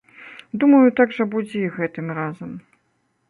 Думаю, так жа будзе і гэтым разам.